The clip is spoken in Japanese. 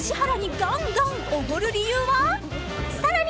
［さらに］